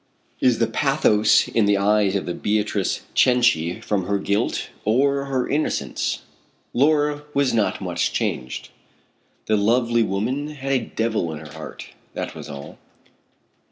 Is the pathos in the eyes of the Beatrice Cenci from her guilt or her innocence? Laura was not much changed. The lovely woman had a devil in her heart. That was all.